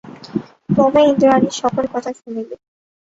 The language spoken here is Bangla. ক্রমে ইন্দ্রাণী সকল কথা শুনিল।